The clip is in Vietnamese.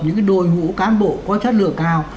những đội ngũ cán bộ có chất lượng cao